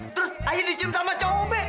terus akhirnya dicium sama cowok be